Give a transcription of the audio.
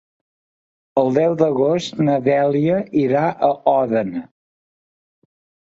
El deu d'agost na Dèlia irà a Òdena.